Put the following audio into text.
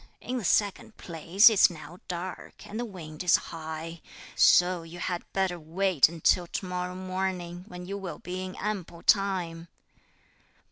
In the second place it's now dark, and the wind is high; so you had better wait until to morrow morning, when you will be in ample time."